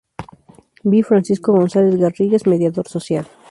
By Francisco González Garrigues, Mediador social.